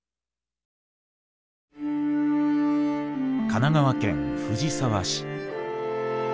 神奈川県藤沢市。